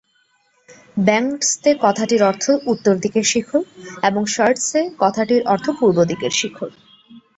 ব্যাং-র্ত্সে কথাটির অর্থ উত্তর দিকের শিখর এবং শার-র্ত্সে কথাটির অর্থ পূর্ব দিকের শিখর।